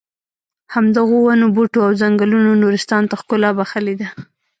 همدغو ونو بوټو او ځنګلونو نورستان ته ښکلا بښلې ده.